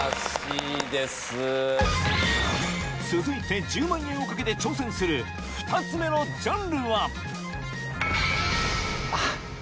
続いて１０万円を懸けて挑戦する２つ目のジャンルはあ。